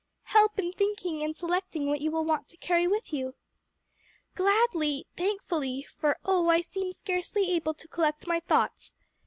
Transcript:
help in thinking and selecting what you will want to carry with you." "Gladly, thankfully, for oh, I seem scarcely able to collect my thoughts!